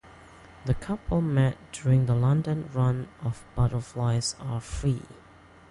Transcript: The couple met during the London run of "Butterflies Are Free".